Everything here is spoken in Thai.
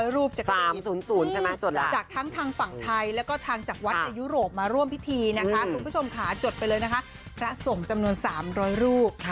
รูปจักรี๐๐ใช่ไหมจากทั้งทางฝั่งไทยแล้วก็ทางจากวัดในยุโรปมาร่วมพิธีนะคะคุณผู้ชมค่ะจดไปเลยนะคะพระสงฆ์จำนวน๓๐๐รูป